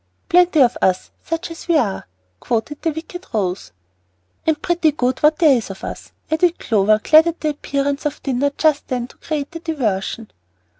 "'Plenty of us such as we are'" quoted the wicked Rose. "And pretty good what there is of us," added Clover, glad of the appearance of dinner just then to create a diversion.